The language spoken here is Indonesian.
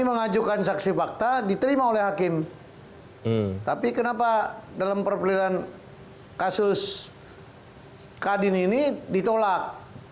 mengajukan saksi fakta diterima oleh hakim tapi kenapa dalam perpelihan kasus kadin ini ditolak